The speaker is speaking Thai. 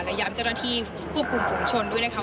และย้ำเจ้าหน้าที่ควบคุมฝุงชนด้วยนะคะ